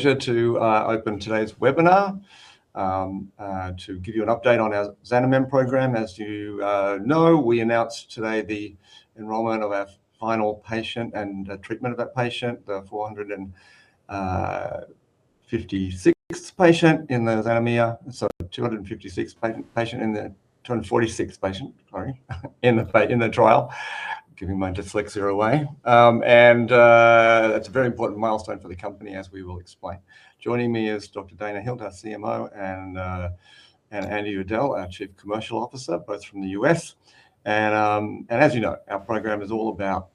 Pleasure to open today's webinar to give you an update on our Xanamem program. As you know, we announced today the enrollment of our final patient and the treatment of that patient, the 256th patient in the XanaMIA trial, giving my dyslexia away. And it's a very important milestone for the company, as we will explain. Joining me is Dr. Dana Hilt, CMO, and Andy Udell, our Chief Commercial Officer, both from the US. And as you know, our program is all about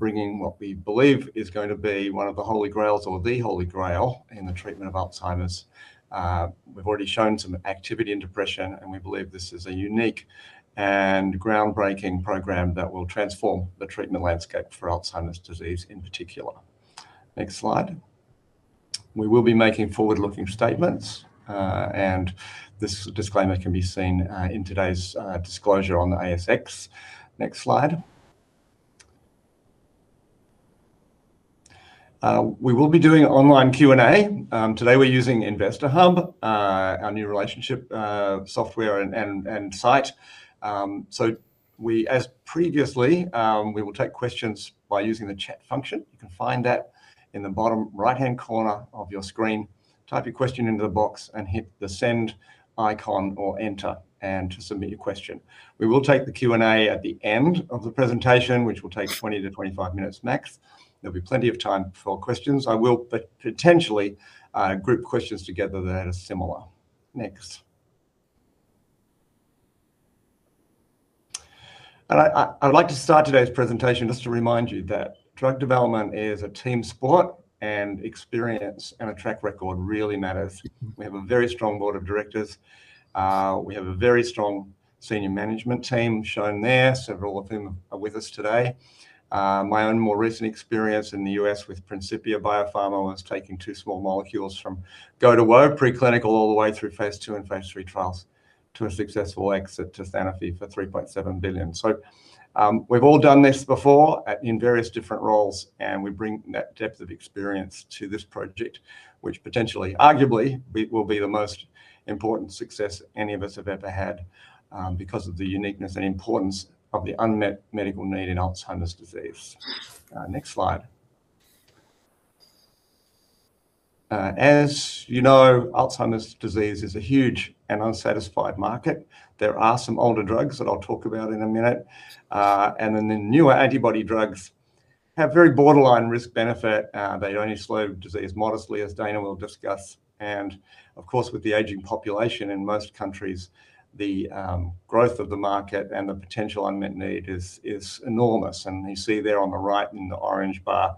bringing what we believe is going to be one of the holy grails or the holy grail in the treatment of Alzheimer's. We've already shown some activity in depression, and we believe this is a unique and groundbreaking program that will transform the treatment landscape for Alzheimer's disease in particular. Next slide. We will be making forward-looking statements, and this disclaimer can be seen in today's disclosure on the ASX. Next slide. We will be doing online Q&A. Today we're using Investor Hub, our new relationship software and site. So we, as previously, we will take questions by using the chat function. You can find that in the bottom right-hand corner of your screen. Type your question into the box and hit the send icon or enter to submit your question. We will take the Q&A at the end of the presentation, which will take 20-25 minutes max. There'll be plenty of time for questions. I will potentially group questions together that are similar. Next. And I would like to start today's presentation just to remind you that drug development is a team sport, and experience and a track record really matters. We have a very strong board of directors. We have a very strong senior management team shown there, several of whom are with us today. My own more recent experience in the U.S. with Principia Biopharma was taking two small molecules from go/no-go preclinical all the way through phase two and phase three trials to a successful exit to Sanofi for $3.7 billion. So we've all done this before in various different roles, and we bring that depth of experience to this project, which potentially, arguably, will be the most important success any of us have ever had because of the uniqueness and importance of the unmet medical need in Alzheimer's disease. Next slide. As you know, Alzheimer's disease is a huge and unmet market. There are some older drugs that I'll talk about in a minute, and then the newer antibody drugs have very borderline risk-benefit. They only slow disease modestly, as Dana will discuss. And of course, with the aging population in most countries, the growth of the market and the potential unmet need is enormous. And you see there on the right in the orange bar,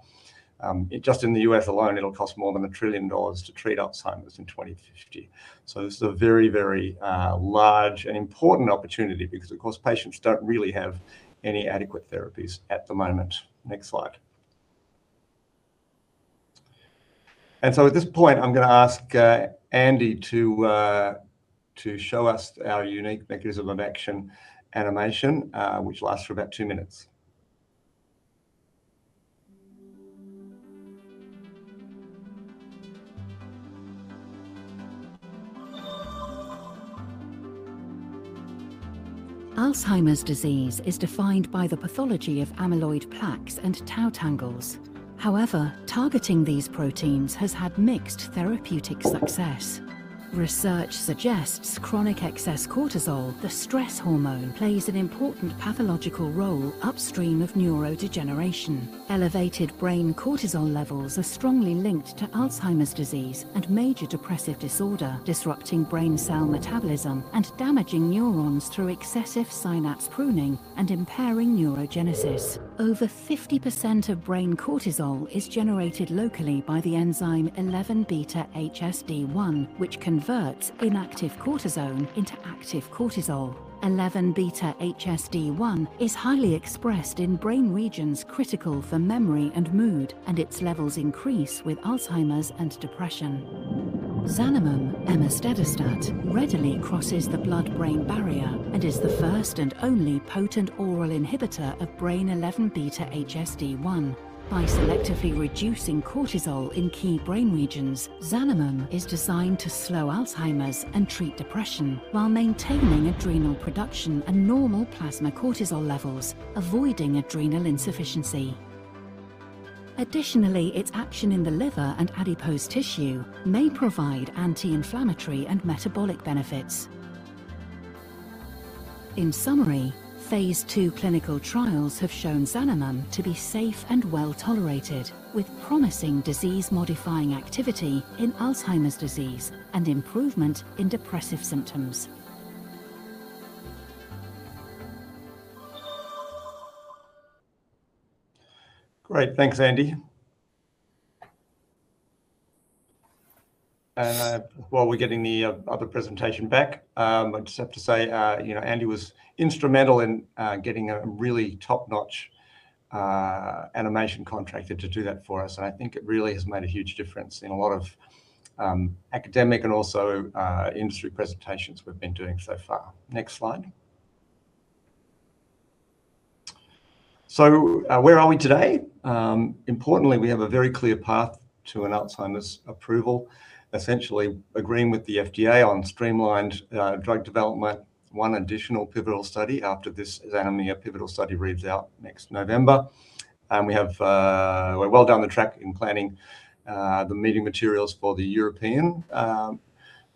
just in the U.S. alone, it'll cost more than $1 trillion to treat Alzheimer's in 2050. So this is a very, very large and important opportunity because, of course, patients don't really have any adequate therapies at the moment. Next slide. And so at this point, I'm going to ask Andy to show us our unique mechanism of action animation, which lasts for about two minutes. Alzheimer's disease is defined by the pathology of amyloid plaques and tau tangles. However, targeting these proteins has had mixed therapeutic success. Research suggests chronic excess cortisol, the stress hormone, plays an important pathological role upstream of neurodegeneration. Elevated brain cortisol levels are strongly linked to Alzheimer's disease and major depressive disorder, disrupting brain cell metabolism and damaging neurons through excessive synapse pruning and impairing neurogenesis. Over 50% of brain cortisol is generated locally by the enzyme 11-beta-HSD1, which converts inactive cortisone into active cortisol. 11-beta-HSD1 is highly expressed in brain regions critical for memory and mood, and its levels increase with Alzheimer's and depression. Xanamem, emestedastat, readily crosses the blood-brain barrier and is the first and only potent oral inhibitor of brain 11-beta-HSD1. By selectively reducing cortisol in key brain regions, Xanamem is designed to slow Alzheimer's and treat depression while maintaining adrenal production and normal plasma cortisol levels, avoiding adrenal insufficiency. Additionally, its action in the liver and adipose tissue may provide anti-inflammatory and metabolic benefits. In summary, Phase II clinical trials have shown Xanamem to be safe and well tolerated, with promising disease-modifying activity in Alzheimer's disease and improvement in depressive symptoms. Great. Thanks, Andy, and while we're getting the other presentation back, I just have to say, you know, Andy was instrumental in getting a really top-notch animation contractor to do that for us, and I think it really has made a huge difference in a lot of academic and also industry presentations we've been doing so far. Next slide, so where are we today? Importantly, we have a very clear path to an Alzheimer's approval, essentially agreeing with the FDA on streamlined drug development, one additional pivotal study after this XanaMIA pivotal study reads out next November, and we're well down the track in planning the meeting materials for the European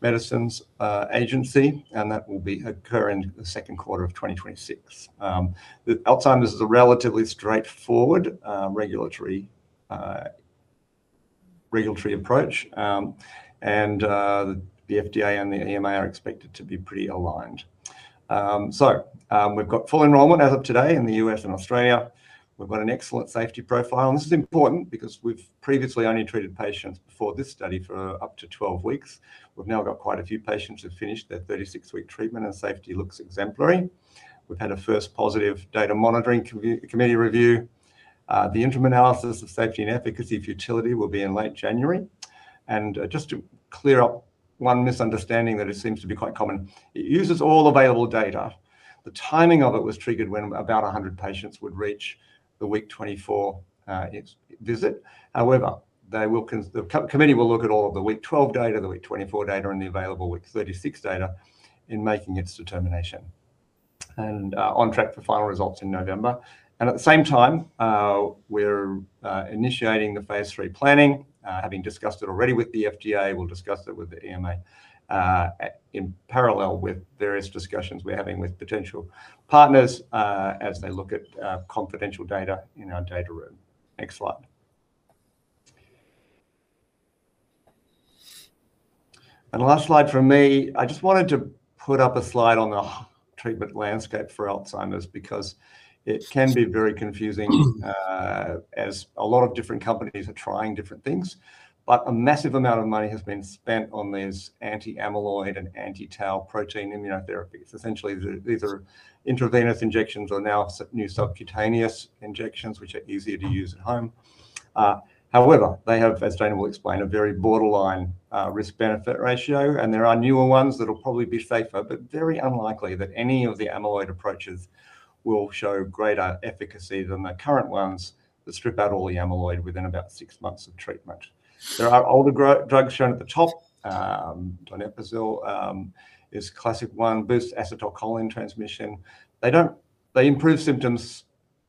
Medicines Agency, and that will occur in the second quarter of 2026. Alzheimer's is a relatively straightforward regulatory approach, and the FDA and the EMA are expected to be pretty aligned. We've got full enrollment as of today in the US and Australia. We've got an excellent safety profile. And this is important because we've previously only treated patients before this study for up to 12 weeks. We've now got quite a few patients who've finished their 36-week treatment, and safety looks exemplary. We've had a first positive data monitoring committee review. The interim analysis of safety and futility will be in late January. And just to clear up one misunderstanding that it seems to be quite common, it uses all available data. The timing of it was triggered when about 100 patients would reach the week 24 visit. However, the committee will look at all of the week 12 data, the week 24 data, and the available week 36 data in making its determination and on track for final results in November. At the same time, we're initiating the Phase III planning, having discussed it already with the FDA. We'll discuss it with the EMA in parallel with various discussions we're having with potential partners as they look at confidential data in our data room. Next slide. Last slide from me. I just wanted to put up a slide on the treatment landscape for Alzheimer's because it can be very confusing as a lot of different companies are trying different things. A massive amount of money has been spent on these anti-amyloid and anti-tau protein immunotherapies. Essentially, these are intravenous injections or now new subcutaneous injections, which are easier to use at home. However, they have, as Dana will explain, a very borderline risk-benefit ratio, and there are newer ones that will probably be safer, but very unlikely that any of the amyloid approaches will show greater efficacy than the current ones that strip out all the amyloid within about six months of treatment. There are older drugs shown at the top. Donepezil is a classic one. Boost acetylcholine transmission. They improve symptoms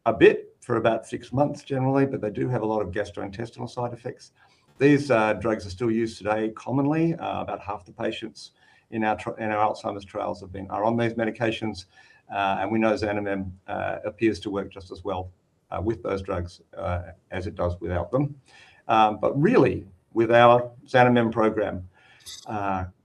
a bit for about six months generally, but they do have a lot of gastrointestinal side effects. These drugs are still used today commonly. About half the patients in our Alzheimer's trials are on these medications, and we know Xanamem appears to work just as well with those drugs as it does without them. But really, with our Xanamem program,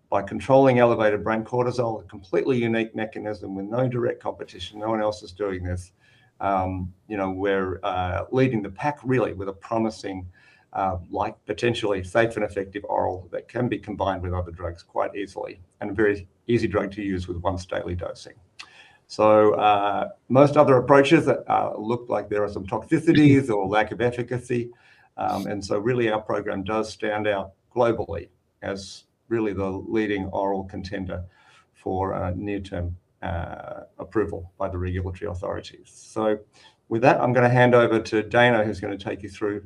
by controlling elevated brain cortisol, a completely unique mechanism with no direct competition, no one else is doing this, we're leading the pack really with a promising, potentially safe and effective oral that can be combined with other drugs quite easily and a very easy drug to use with once daily dosing. So most other approaches look like there are some toxicities or lack of efficacy. And so really, our program does stand out globally as really the leading oral contender for near-term approval by the regulatory authorities. So with that, I'm going to hand over to Dana, who's going to take you through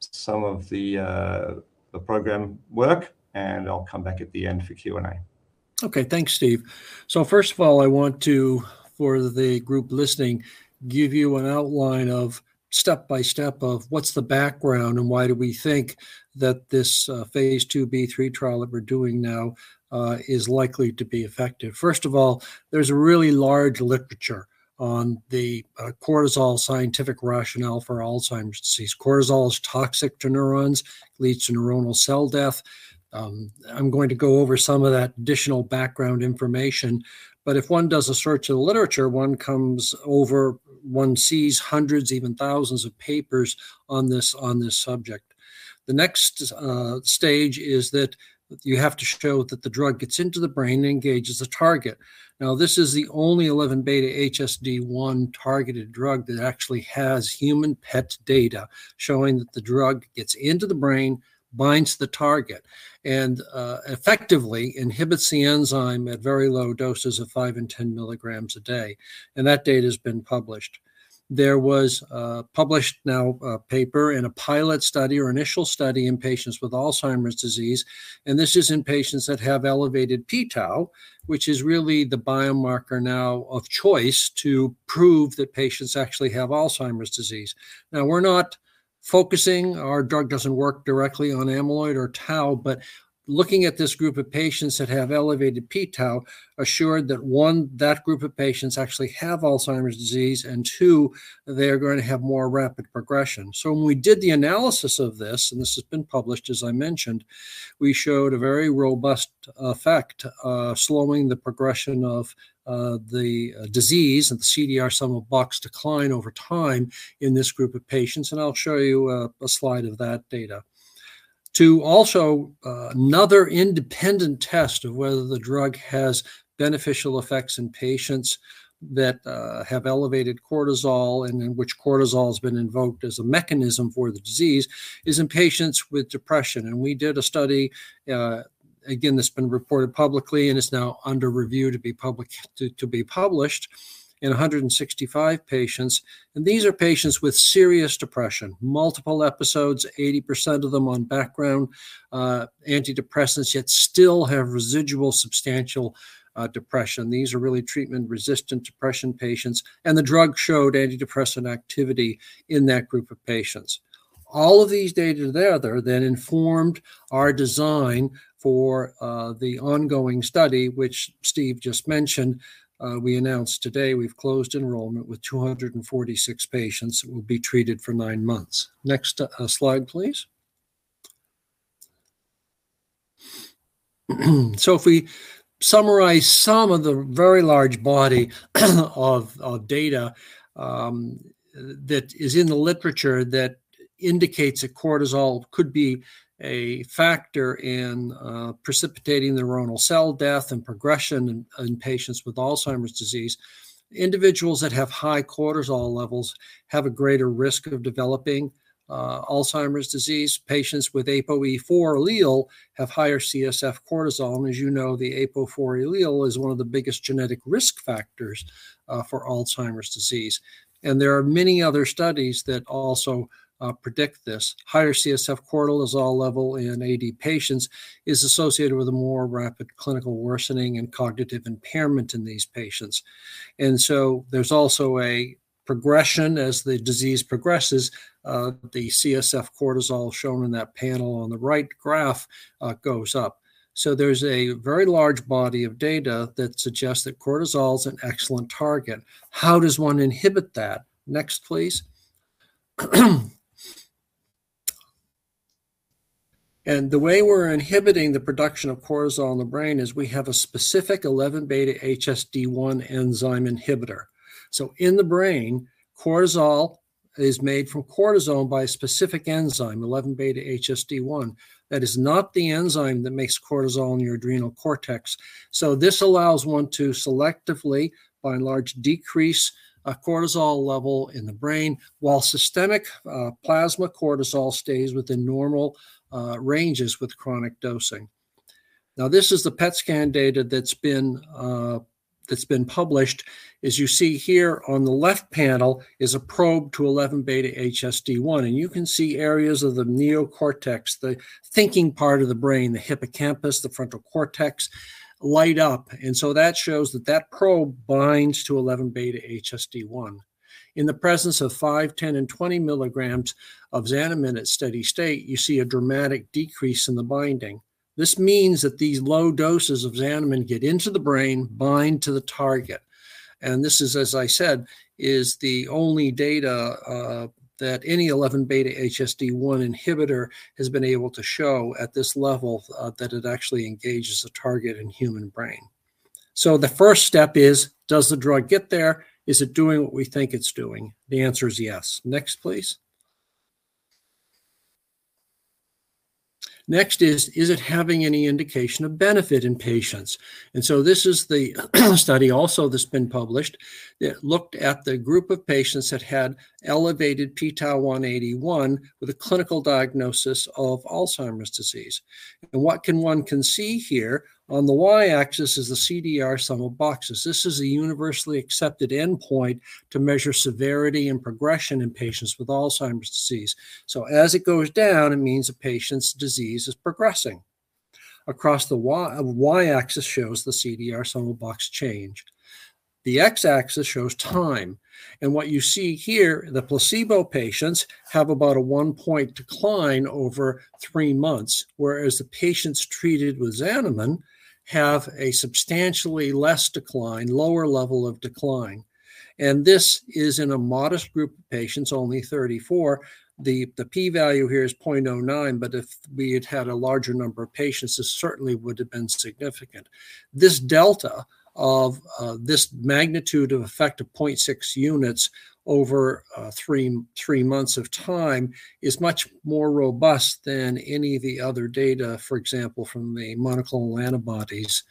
some of the program work, and I'll come back at the end for Q&A. Okay, thanks, Steve. So first of all, I want to, for the group listening, give you an outline of step by step of what's the background and why do we think that this Phase IIb trial that we're doing now is likely to be effective. First of all, there's a really large literature on the cortisol scientific rationale for Alzheimer's disease. Cortisol is toxic to neurons. It leads to neuronal cell death. I'm going to go over some of that additional background information. But if one does a search of the literature, one comes across, one sees hundreds, even thousands of papers on this subject. The next stage is that you have to show that the drug gets into the brain and engages the target. Now, this is the only 11-beta-HSD1 targeted drug that actually has human PET data showing that the drug gets into the brain, binds the target, and effectively inhibits the enzyme at very low doses of five and 10 mg a day. And that data has been published. There is a published paper now in a pilot study or initial study in patients with Alzheimer's disease. And this is in patients that have elevated p-Tau, which is really the biomarker now of choice to prove that patients actually have Alzheimer's disease. Now, we're not focusing. Our drug doesn't work directly on amyloid or tau, but looking at this group of patients that have elevated p-Tau assures that, one, that group of patients actually have Alzheimer's disease, and two, they're going to have more rapid progression. When we did the analysis of this, and this has been published, as I mentioned, we showed a very robust effect slowing the progression of the disease and the CDR Sum of Boxes decline over time in this group of patients. And I'll show you a slide of that data. To also, another independent test of whether the drug has beneficial effects in patients that have elevated cortisol and in which cortisol has been invoked as a mechanism for the disease is in patients with depression. And we did a study, again, that's been reported publicly and is now under review to be published in 165 patients. And these are patients with serious depression, multiple episodes, 80% of them on background antidepressants, yet still have residual substantial depression. These are really treatment-resistant depression patients. And the drug showed antidepressant activity in that group of patients. All of these data there then informed our design for the ongoing study, which Steve just mentioned. We announced today we've closed enrollment with 246 patients that will be treated for nine months. Next slide, please. So if we summarize some of the very large body of data that is in the literature that indicates that cortisol could be a factor in precipitating neuronal cell death and progression in patients with Alzheimer's disease, individuals that have high cortisol levels have a greater risk of developing Alzheimer's disease. Patients with ApoE4 allele have higher CSF cortisol, and as you know, the ApoE4 allele is one of the biggest genetic risk factors for Alzheimer's disease, and there are many other studies that also predict this. Higher CSF cortisol level in AD patients is associated with a more rapid clinical worsening and cognitive impairment in these patients. And so there's also a progression as the disease progresses. The CSF cortisol shown in that panel on the right graph goes up. So there's a very large body of data that suggests that cortisol is an excellent target. How does one inhibit that? Next, please. And the way we're inhibiting the production of cortisol in the brain is we have a specific 11-beta-HSD1 enzyme inhibitor. So in the brain, cortisol is made from cortisone by a specific enzyme, 11-beta-HSD1, that is not the enzyme that makes cortisol in your adrenal cortex. So this allows one to selectively by and large decrease cortisol level in the brain while systemic plasma cortisol stays within normal ranges with chronic dosing. Now, this is the PET scan data that's been published. As you see here on the left panel is a probe to 11-beta-HSD1. You can see areas of the neocortex, the thinking part of the brain, the hippocampus, the frontal cortex light up. And so that shows that that probe binds to 11-beta-HSD1. In the presence of 5, 10, and 20 milligrams of Xanamem at steady state, you see a dramatic decrease in the binding. This means that these low doses of Xanamem get into the brain, bind to the target. And this is, as I said, the only data that any 11-beta-HSD1 inhibitor has been able to show at this level that it actually engages the target in human brain. So the first step is, does the drug get there? Is it doing what we think it's doing? The answer is yes. Next, please. Next is, is it having any indication of benefit in patients? This is the study also that's been published that looked at the group of patients that had elevated p-Tau 181 with a clinical diagnosis of Alzheimer's disease. What can one see here? On the y-axis is the CDR Sum of Boxes. This is a universally accepted endpoint to measure severity and progression in patients with Alzheimer's disease. As it goes down, it means a patient's disease is progressing. The y-axis shows the CDR Sum of Boxes change. The x-axis shows time. What you see here, the placebo patients have about a one-point decline over three months, whereas the patients treated with Xanamem have a substantially less decline, lower level of decline. This is in a modest group of patients, only 34. The p-value here is 0.09, but if we had had a larger number of patients, this certainly would have been significant. This delta of this magnitude of effect of 0.6 units over three months of time is much more robust than any of the other data, for example, from the monoclonal antibodies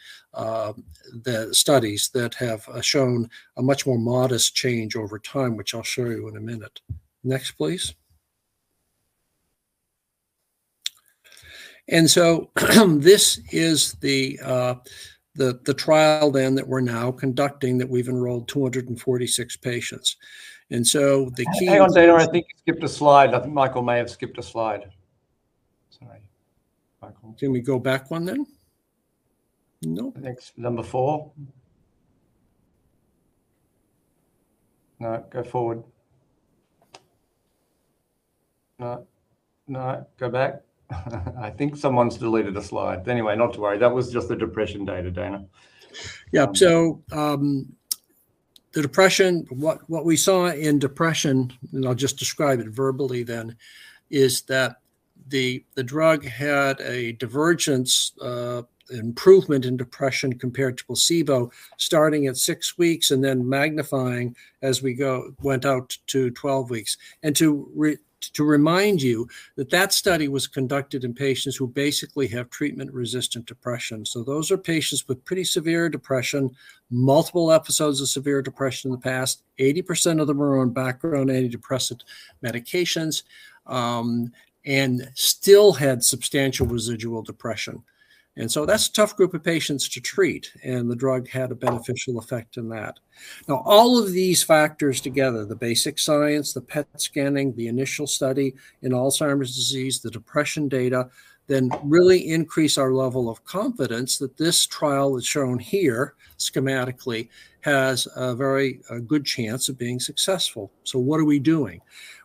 studies that have shown a much more modest change over time, which I'll show you in a minute. Next, please. And so this is the trial then that we're now conducting that we've enrolled 246 patients. And so the key. Hang on, Dana. I think you skipped a slide. I think Michael may have skipped a slide. Sorry, Michael. Can we go back one then? No. Next, number four. No, go forward. No, go back. I think someone's deleted a slide. Anyway, not to worry. That was just the depression data, Dana. Yeah, so the depression, what we saw in depression, and I'll just describe it verbally then, is that the drug had a divergent improvement in depression compared to placebo starting at six weeks and then magnifying as we went out to 12 weeks. And to remind you that that study was conducted in patients who basically have treatment-resistant depression. So those are patients with pretty severe depression, multiple episodes of severe depression in the past, 80% of them were on background antidepressant medications, and still had substantial residual depression. And so that's a tough group of patients to treat, and the drug had a beneficial effect in that. Now, all of these factors together, the basic science, the PET scanning, the initial study in Alzheimer's disease, the depression data, then really increase our level of confidence that this trial is shown here schematically has a very good chance of being successful. So what are we doing?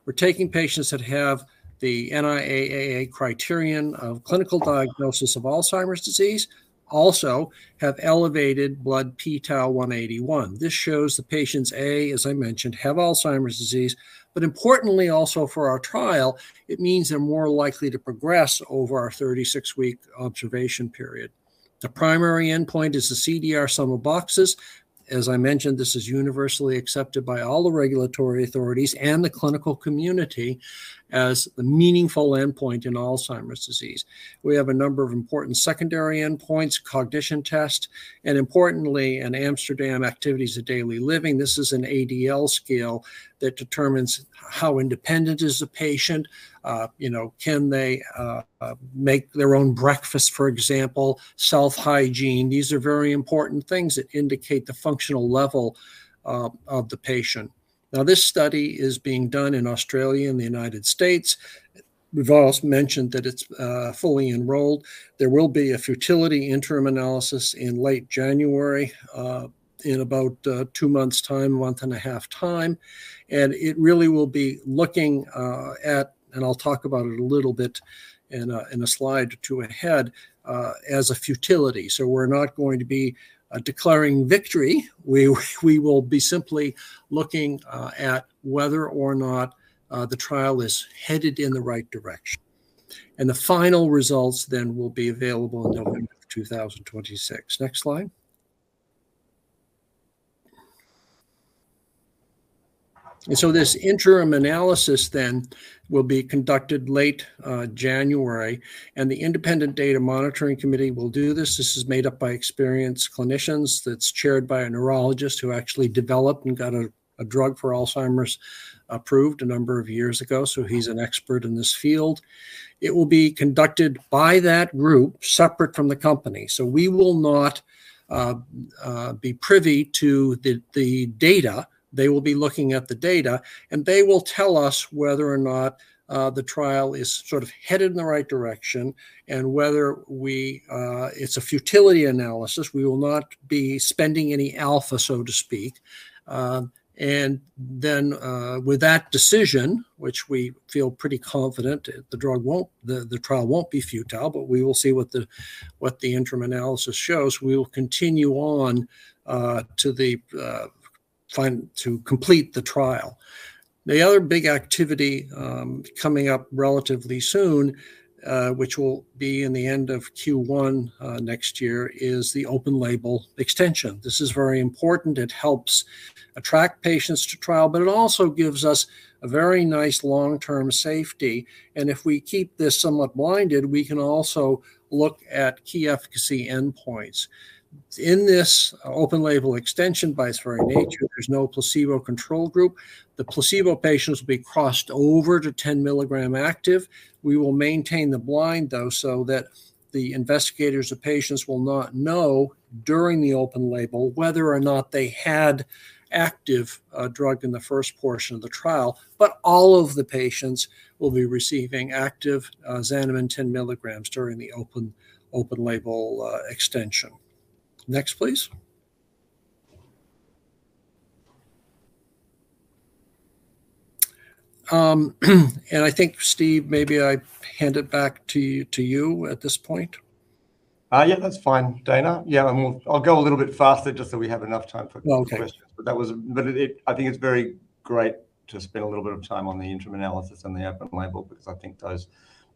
We're taking patients that have the NIA-AA criterion of clinical diagnosis of Alzheimer's disease, also have elevated blood p-Tau 181. This shows the patients, A, as I mentioned, have Alzheimer's disease, but importantly also for our trial, it means they're more likely to progress over our 36-week observation period. The primary endpoint is the CDR Sum of Boxes. As I mentioned, this is universally accepted by all the regulatory authorities and the clinical community as the meaningful endpoint in Alzheimer's disease. We have a number of important secondary endpoints, cognition test, and importantly, an Amsterdam Activities of Daily Living. This is an ADL scale that determines how independent is the patient. Can they make their own breakfast, for example? Self-hygiene. These are very important things that indicate the functional level of the patient. Now, this study is being done in Australia and the United States. We've also mentioned that it's fully enrolled. There will be a futility interim analysis in late January in about two months' time, month and a half time, and it really will be looking at, and I'll talk about it a little bit in a slide or two ahead, as a futility, so we're not going to be declaring victory. We will be simply looking at whether or not the trial is headed in the right direction, and the final results then will be available in November of 2026. Next slide, so this interim analysis then will be conducted late January. The Independent Data Monitoring Committee will do this. This is made up by experienced clinicians that's chaired by a neurologist who actually developed and got a drug for Alzheimer's approved a number of years ago. He's an expert in this field. It will be conducted by that group separate from the company. We will not be privy to the data. They will be looking at the data, and they will tell us whether or not the trial is sort of headed in the right direction and whether it's a futility analysis. We will not be spending any alpha, so to speak. With that decision, which we feel pretty confident the trial won't be futile, but we will see what the interim analysis shows, we will continue on to complete the trial. The other big activity coming up relatively soon, which will be in the end of Q1 next year, is the open-label extension. This is very important. It helps attract patients to trial, but it also gives us a very nice long-term safety. And if we keep this somewhat blinded, we can also look at key efficacy endpoints. In this open-label extension by its very nature, there's no placebo control group. The placebo patients will be crossed over to 10 mg active. We will maintain the blind, though, so that the investigators and patients will not know during the open-label whether or not they had active drug in the first portion of the trial. But all of the patients will be receiving active Xanamem 10 mg during the open-label extension. Next, please. And I think, Steve, maybe I hand it back to you at this point. Yeah, that's fine, Dana. Yeah, I'll go a little bit faster just so we have enough time for questions, but I think it's very great to spend a little bit of time on the interim analysis and the open label because I think those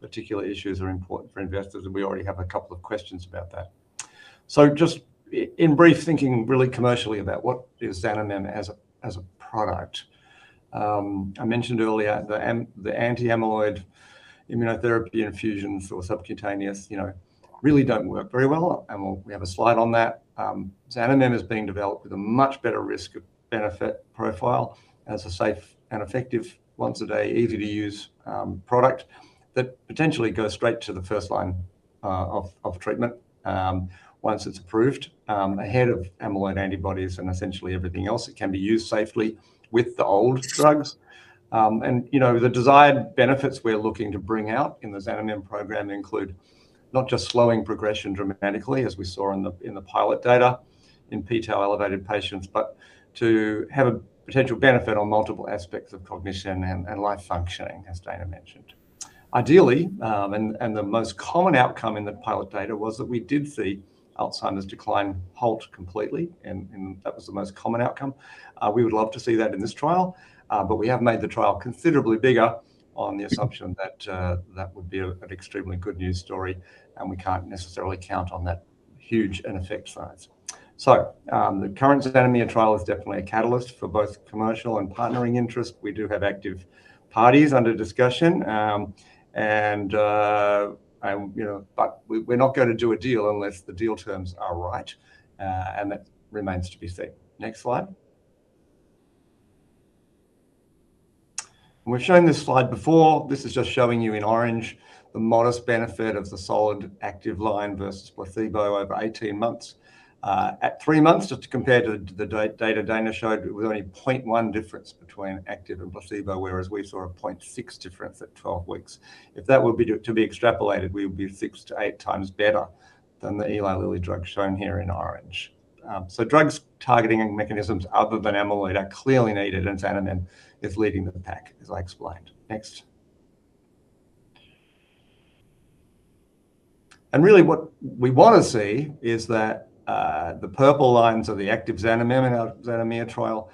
particular issues are important for investors, and we already have a couple of questions about that, so just in brief, thinking really commercially about what is Xanamem as a product. I mentioned earlier the anti-amyloid immunotherapy infusions or subcutaneous really don't work very well. And we have a slide on that. Xanamem is being developed with a much better risk-benefit profile as a safe and effective, once-a-day, easy-to-use product that potentially goes straight to the first line of treatment once it's approved ahead of amyloid antibodies and essentially everything else. It can be used safely with the old drugs. And the desired benefits we're looking to bring out in the Xanamem program include not just slowing progression dramatically, as we saw in the pilot data in p-Tau elevated patients, but to have a potential benefit on multiple aspects of cognition and life functioning, as Dana mentioned. Ideally, and the most common outcome in the pilot data was that we did see Alzheimer's decline halt completely. And that was the most common outcome. We would love to see that in this trial. But we have made the trial considerably bigger on the assumption that that would be an extremely good news story, and we can't necessarily count on that huge in effect size. So the current Xanamem trial is definitely a catalyst for both commercial and partnering interests. We do have active parties under discussion. But we're not going to do a deal unless the deal terms are right. And that remains to be seen. Next slide. We've shown this slide before. This is just showing you in orange the modest benefit of the solid active line versus placebo over 18 months. At three months, just to compare to the data Dana showed, it was only 0.1 difference between active and placebo, whereas we saw a 0.6 difference at 12 weeks. If that were to be extrapolated, we would be 6x to 8x better than the Eli Lilly drug shown here in orange. So drug targeting mechanisms other than amyloid are clearly needed, and Xanamem is leading the pack, as I explained. Next. And really what we want to see is that the purple lines are the active Xanamem trial.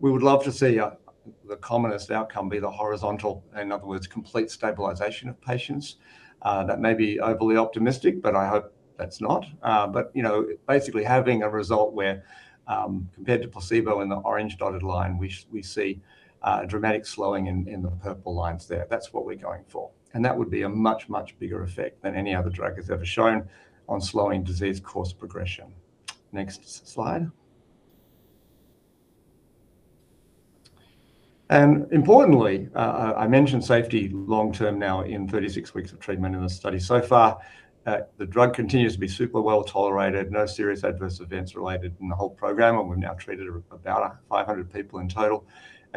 We would love to see the commonest outcome be the horizontal, in other words, complete stabilization of patients. That may be overly optimistic, but I hope that's not. Basically, having a result where, compared to placebo in the orange dotted line, we see a dramatic slowing in the purple lines there. That's what we're going for. That would be a much, much bigger effect than any other drug has ever shown on slowing disease course progression. Next slide. Importantly, I mentioned safety long-term now in 36 weeks of treatment in this study. So far, the drug continues to be super well tolerated, no serious adverse events related in the whole program, and we've now treated about 500 people in total.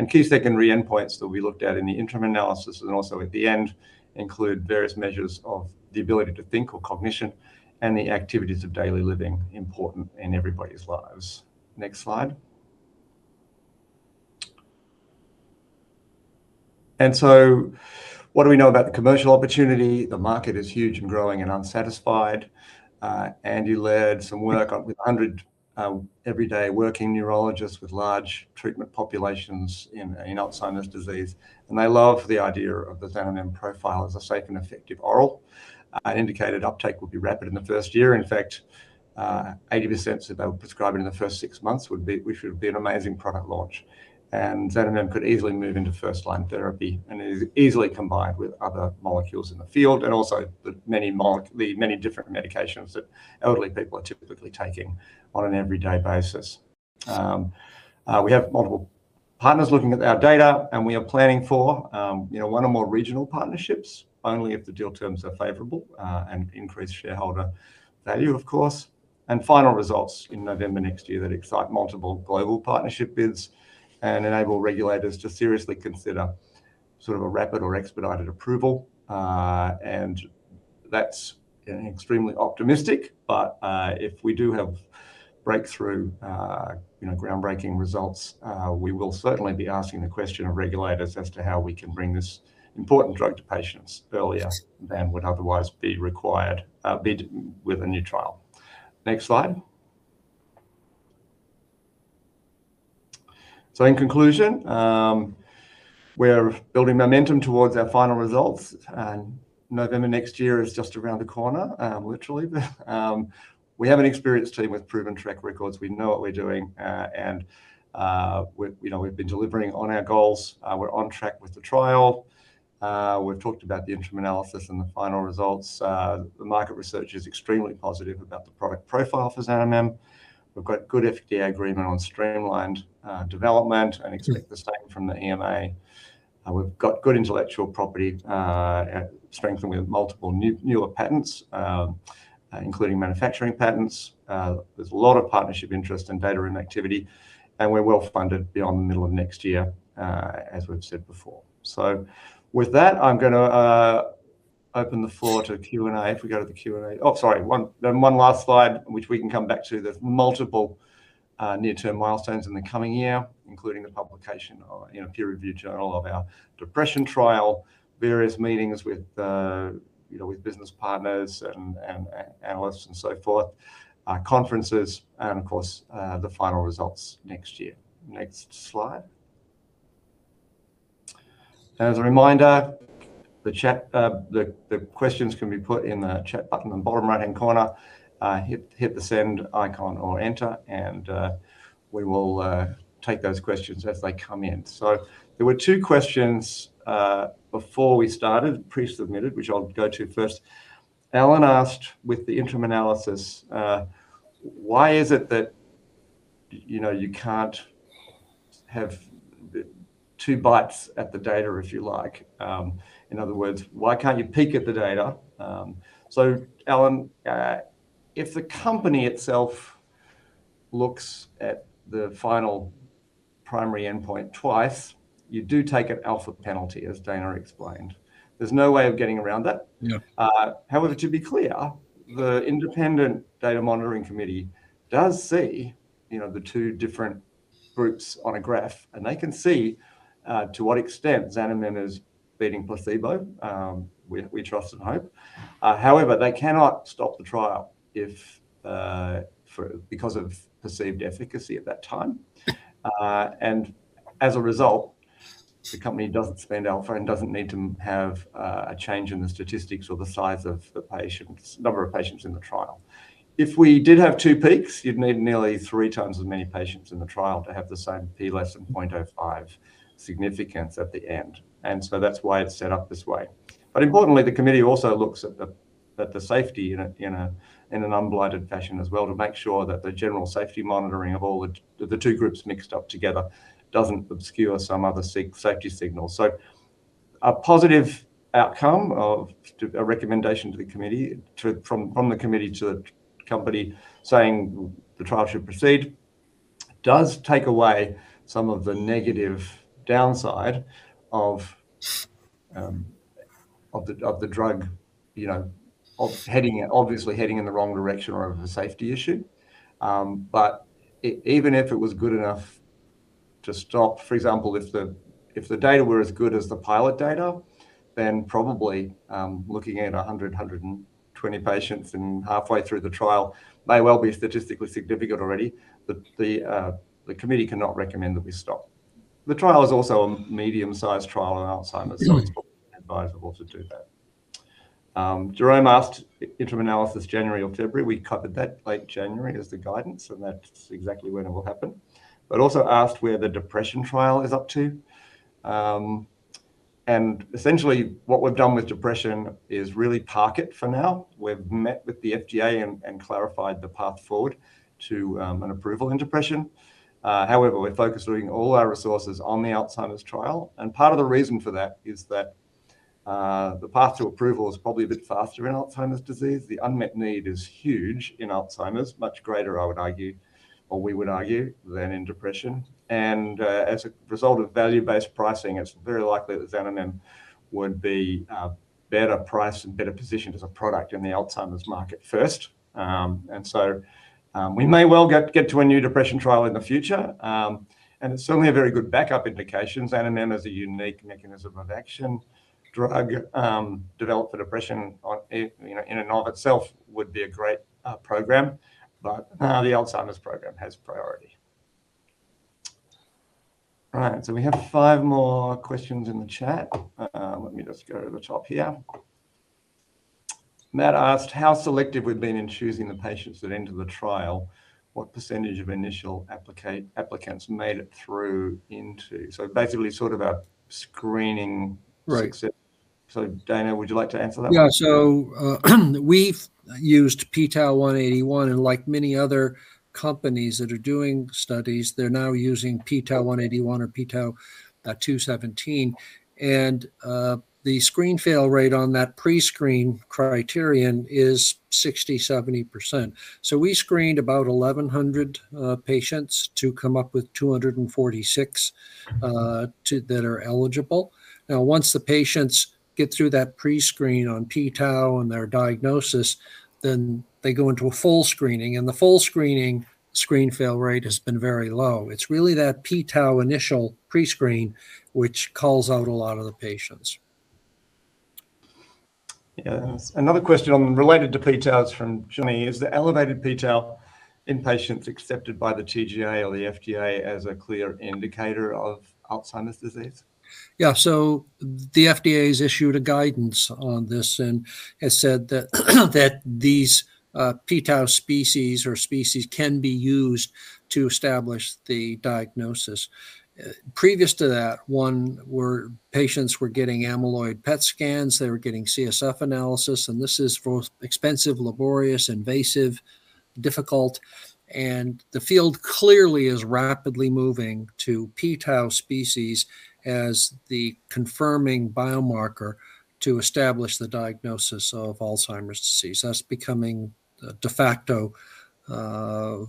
Key secondary endpoints that we looked at in the interim analysis and also at the end include various measures of the ability to think or cognition and the activities of daily living important in everybody's lives. Next slide. What do we know about the commercial opportunity? The market is huge and growing and unsatisfied. Andy led some work with 100 everyday working neurologists with large treatment populations in Alzheimer's disease. And they love the idea of the Xanamem profile as a safe and effective oral. Indicated uptake would be rapid in the first year. In fact, 80% said they would prescribe it in the first six months, which would be an amazing product launch. And Xanamem could easily move into first-line therapy and is easily combined with other molecules in the field and also the many different medications that elderly people are typically taking on an everyday basis. We have multiple partners looking at our data, and we are planning for one or more regional partnerships only if the deal terms are favorable and increase shareholder value, of course. And final results in November next year that excite multiple global partnership bids and enable regulators to seriously consider sort of a rapid or expedited approval. And that's extremely optimistic. But if we do have breakthrough groundbreaking results, we will certainly be asking the question of regulators as to how we can bring this important drug to patients earlier than would otherwise be required with a new trial. Next slide. So in conclusion, we're building momentum towards our final results. And November next year is just around the corner, literally. We have an experienced team with proven track records. We know what we're doing, and we've been delivering on our goals. We're on track with the trial. We've talked about the interim analysis and the final results. The market research is extremely positive about the product profile for Xanamem. We've got good FDA agreement on streamlined development and expect the same from the EMA. We've got good intellectual property strengthened with multiple newer patents, including manufacturing patents. There's a lot of partnership interest and data and activity, and we're well funded beyond the middle of next year, as we've said before, so with that, I'm going to open the floor to Q&A. If we go to the Q&A, oh, sorry, then one last slide, which we can come back to. There's multiple near-term milestones in the coming year, including the publication in a peer-reviewed journal of our depression trial, various meetings with business partners and analysts and so forth, conferences, and of course, the final results next year. Next slide. As a reminder, the questions can be put in the chat button in the bottom right-hand corner. Hit the send icon or enter, and we will take those questions as they come in. So there were two questions before we started, pre-submitted, which I'll go to first. Alan asked with the interim analysis, "Why is it that you can't have two bites at the data, if you like?" In other words, "Why can't you peek at the data?" So Alan, if the company itself looks at the final primary endpoint twice, you do take an alpha penalty, as Dana explained. There's no way of getting around that. However, to be clear, the Independent Data Monitoring Committee does see the two different groups on a graph, and they can see to what extent Xanamem is beating placebo. We trust and hope. However, they cannot stop the trial because of perceived efficacy at that time. As a result, the company doesn't spend alpha and doesn't need to have a change in the statistics or the size of the number of patients in the trial. If we did have two peaks, you'd need nearly three times as many patients in the trial to have the same P less than 0.05 significance at the end. And so that's why it's set up this way. But importantly, the committee also looks at the safety in an unblinded fashion as well to make sure that the general safety monitoring of the two groups mixed up together doesn't obscure some other safety signals. So a positive outcome of a recommendation from the committee to the company saying the trial should proceed does take away some of the negative downside of the drug obviously heading in the wrong direction or of a safety issue. But even if it was good enough to stop, for example, if the data were as good as the pilot data, then probably looking at 100, 120 patients and halfway through the trial may well be statistically significant already. The committee cannot recommend that we stop. The trial is also a medium-sized trial on Alzheimer's, so it's advisable to do that. Jerome asked, "Interim analysis, January or February?" We covered that late January as the guidance, and that's exactly when it will happen. But also asked where the depression trial is up to. And essentially, what we've done with depression is really park it for now. We've met with the FDA and clarified the path forward to an approval in depression. However, we're focused on putting all our resources on the Alzheimer's trial. Part of the reason for that is that the path to approval is probably a bit faster in Alzheimer's disease. The unmet need is huge in Alzheimer's, much greater, I would argue, or we would argue, than in depression. As a result of value-based pricing, it's very likely that Xanamem would be better priced and better positioned as a product in the Alzheimer's market first. We may well get to a new depression trial in the future. It's certainly a very good backup indication. Xanamem is a unique mechanism of action. Drug developed for depression in and of itself would be a great program. The Alzheimer's program has priority. All right. We have five more questions in the chat. Let me just go to the top here. Matt asked, "How selective we've been in choosing the patients that enter the trial? What percentage of initial applicants made it through into? So basically sort of a screening success. So Dana, would you like to answer that one? Yeah. So we've used p-Tau 181. And like many other companies that are doing studies, they're now using p-Tau 181 or p-Tau 217. And the screen fail rate on that pre-screen criterion is 60%-70%. So we screened about 1,100 patients to come up with 246 that are eligible. Now, once the patients get through that pre-screen on p-Tau and their diagnosis, then they go into a full screening. And the full screening, screen fail rate has been very low. It's really that p-Tau initial pre-screen which calls out a lot of the patients. Yeah. Another question related to p-Tau is from Johnny. Is the elevated p-Tau in patients accepted by the TGA or the FDA as a clear indicator of Alzheimer's disease? Yeah. So the FDA has issued a guidance on this and has said that these p-Tau species can be used to establish the diagnosis. Previous to that, one where patients were getting amyloid PET scans, they were getting CSF analysis. And this is both expensive, laborious, invasive, difficult. And the field clearly is rapidly moving to p-Tau species as the confirming biomarker to establish the diagnosis of Alzheimer's disease. That's becoming de facto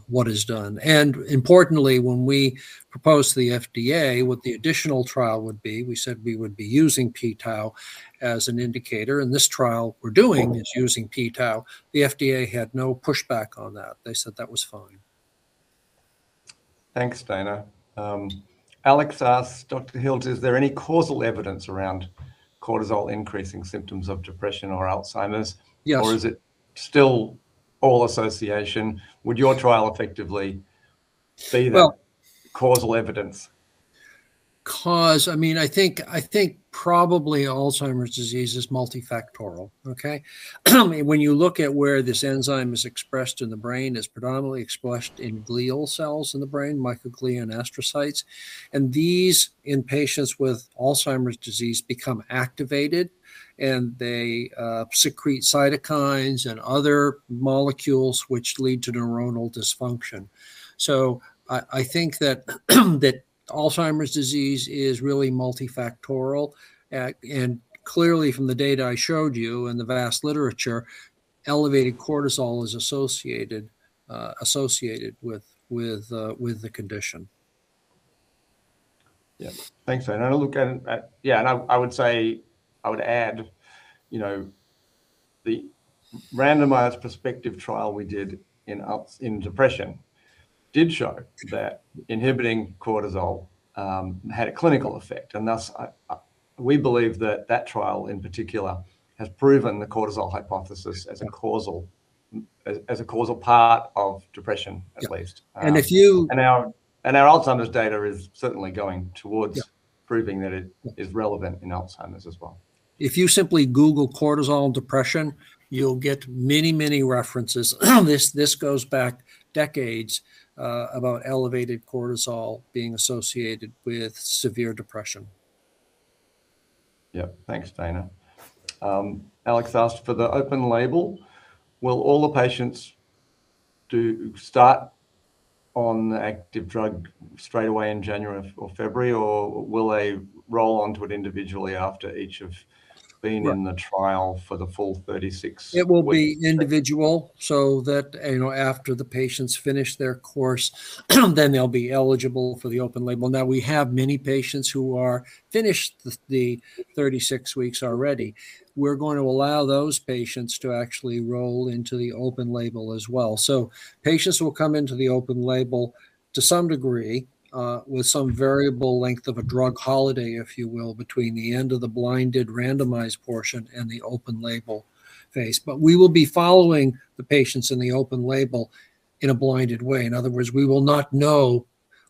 what is done. And importantly, when we proposed to the FDA what the additional trial would be, we said we would be using p-Tau as an indicator. And this trial we're doing is using p-Tau. The FDA had no pushback on that. They said that was fine. Thanks, Dana. Alex asked, "Dr. Hilt, is there any causal evidence around cortisol increasing symptoms of depression or Alzheimer's?" Or is it still all association? Would your trial effectively be the causal evidence? Because, I mean, I think probably Alzheimer's disease is multifactorial. Okay? When you look at where this enzyme is expressed in the brain, it's predominantly expressed in glial cells in the brain, microglia and astrocytes. And these in patients with Alzheimer's disease become activated, and they secrete cytokines and other molecules which lead to neuronal dysfunction. So I think that Alzheimer's disease is really multifactorial. And clearly from the data I showed you and the vast literature, elevated cortisol is associated with the condition. Yeah. Thanks, Dana. And I look at it, yeah. And I would say I would add the randomized prospective trial we did in depression did show that inhibiting cortisol had a clinical effect. And thus, we believe that that trial in particular has proven the cortisol hypothesis as a causal part of depression, at least. If you. Our Alzheimer's data is certainly going towards proving that it is relevant in Alzheimer's as well. If you simply Google cortisol in depression, you'll get many, many references. This goes back decades about elevated cortisol being associated with severe depression. Yeah. Thanks, Dana. Alex asked, "For the open label, will all the patients start on the active drug straight away in January or February, or will they roll onto it individually after each have been in the trial for the full 36 weeks? It will be individual so that after the patients finish their course, then they'll be eligible for the open label. Now, we have many patients who are finished the 36 weeks already. We're going to allow those patients to actually roll into the open label as well, so patients will come into the open label to some degree with some variable length of a drug holiday, if you will, between the end of the blinded randomized portion and the open label phase, but we will be following the patients in the open label in a blinded way. In other words, we will not know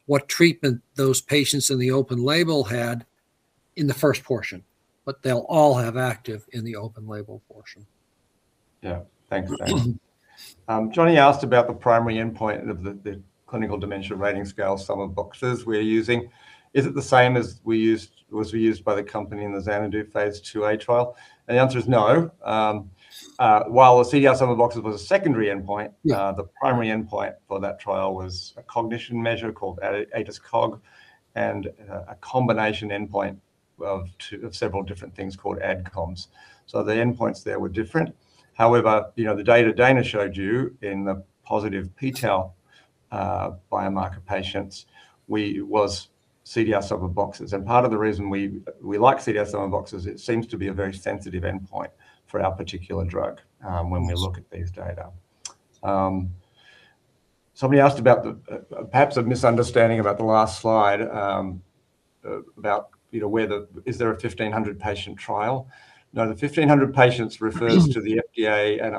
what treatment those patients in the open label had in the first portion, but they'll all have active in the open label portion. Yeah. Thanks, Dana. Johnny asked about the primary endpoint of the Clinical Dementia Rating Scale sum of boxes we're using. Is it the same as was used by the company in the XanADu Phase IIa trial? And the answer is no. While the CDR Sum of Boxes was a secondary endpoint, the primary endpoint for that trial was a cognition measure called ADAS-Cog and a combination endpoint of several different things called ADCOMS. So the endpoints there were different. However, the data Dana showed you in the positive p-Tau biomarker patients was CDR Sum of Boxes. And part of the reason we like CDR Sum of Boxes, it seems to be a very sensitive endpoint for our particular drug when we look at these data. Somebody asked about perhaps a misunderstanding about the last slide about whether is there a 1,500-patient trial. Now, the 1,500 patients refers to the FDA and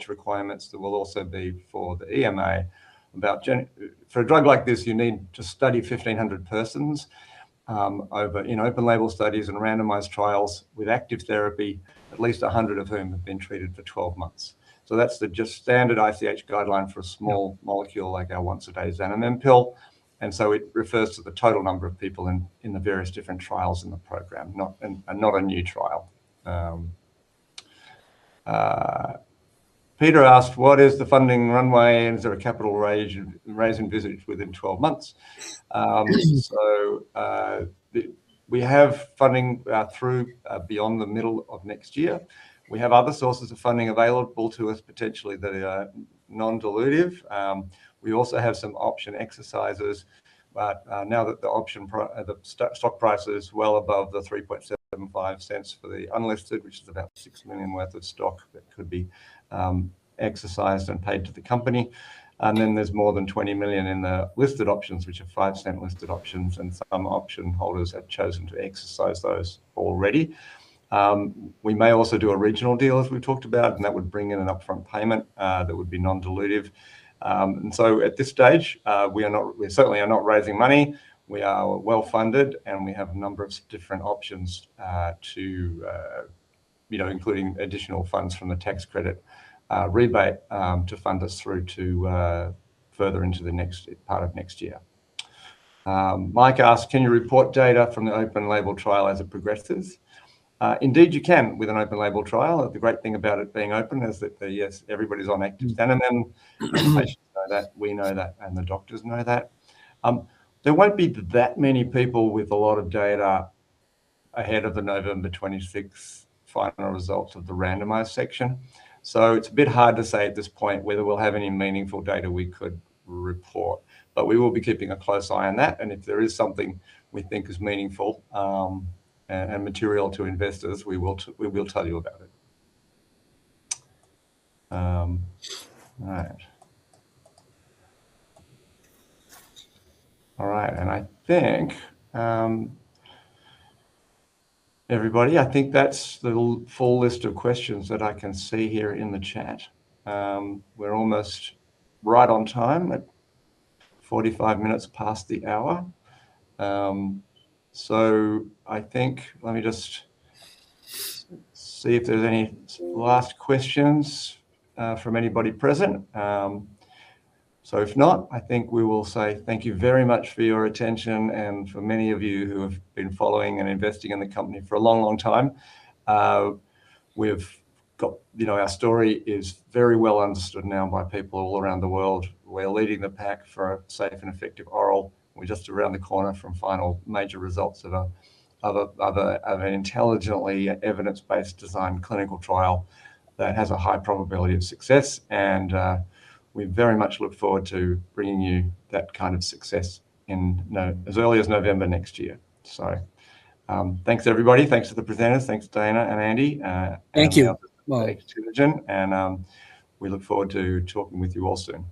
ICH requirements that will also be for the EMA. For a drug like this, you need to study 1,500 persons in open-label studies and randomized trials with active therapy, at least 100 of whom have been treated for 12 months. So that's just the standard ICH guideline for a small molecule like our once-a-day Xanamem pill. And so it refers to the total number of people in the various different trials in the program, not a new trial. Peter asked, "What is the funding runway? And is there a capital raise envisaged within 12 months?" So we have funding through beyond the middle of next year. We have other sources of funding available to us potentially that are non-dilutive. We also have some option exercises. But now that the stock price is well above the 0.0375 for the unlisted, which is about 6 million worth of stock that could be exercised and paid to the company. And then there's more than 20 million in the listed options, which are 0.05 listed options. And some option holders have chosen to exercise those already. We may also do a regional deal, as we've talked about, and that would bring in an upfront payment that would be non-dilutive. And so at this stage, we certainly are not raising money. We are well funded, and we have a number of different options, including additional funds from the tax credit rebate to fund us through to further into the next part of next year. Mike asked, "Can you report data from the open-label trial as it progresses?" Indeed, you can with an open-label trial. The great thing about it being open is that, yes, everybody's on active Xanamem. Patients know that. We know that, and the doctors know that. There won't be that many people with a lot of data ahead of the November 26th final results of the randomized section. So it's a bit hard to say at this point whether we'll have any meaningful data we could report. But we will be keeping a close eye on that. And if there is something we think is meaningful and material to investors, we will tell you about it. All right. All right. And I think, everybody, I think that's the full list of questions that I can see here in the chat. We're almost right on time, 45 minutes past the hour. So I think let me just see if there's any last questions from anybody present. So if not, I think we will say thank you very much for your attention and for many of you who have been following and investing in the company for a long, long time. Our story is very well understood now by people all around the world. We're leading the pack for a safe and effective oral. We're just around the corner from final major results of an intelligently evidence-based design clinical trial that has a high probability of success. And we very much look forward to bringing you that kind of success as early as November next year. So thanks, everybody. Thanks to the presenters. Thanks, Dana and Andy. Thank you. Thanks. Actinogen. And we look forward to talking with you all soon.